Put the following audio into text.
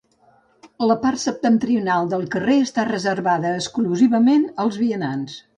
La part septentrional del carrer està reservada exclusivament als vianants.